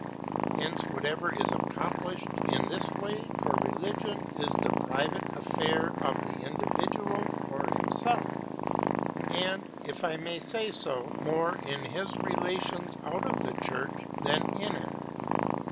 Hence, whatever is accomplished in this way for religion is the private affair of the individual for himself, and, if I may say so, more in his relations out of the church than in it.